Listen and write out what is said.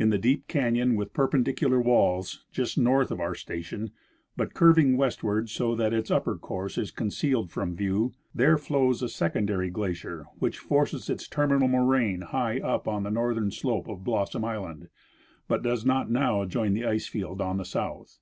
In the deep canon with perj)endicular walls, just north' of our station, but curving westward so that its upper course is concealed from view, there flows a secondary glacier which forces its terminal moraine high up on the northern slope of Blossom island, but does not now join the ice field on the south.